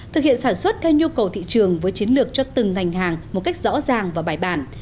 thực hiện sản xuất theo nhu cầu thị trường với chiến lược cho từng ngành hàng một cách rõ ràng và bài bản